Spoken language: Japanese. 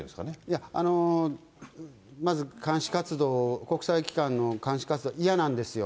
いや、まず監視活動、国際機関の監視活動嫌なんですよ。